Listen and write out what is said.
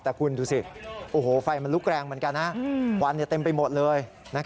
แต่คุณดูสิโอ้โหไฟมันลุกแรงเหมือนกันควันเต็มไปหมดเลย